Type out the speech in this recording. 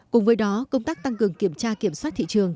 cùng với đó công tác tăng cường kiểm tra kiểm soát thị trường